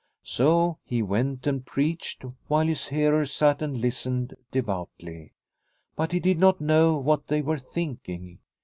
So he went and preached whilst his hearers sat and listened devoutly. But he did not know what they were thinking.